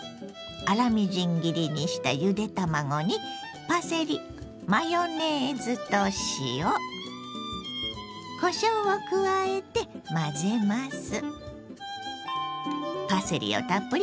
粗みじん切りにしたゆで卵にパセリマヨネーズと塩こしょうを加えて混ぜます。